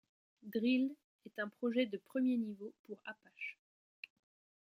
Drill est un projet de premier niveau pour Apache.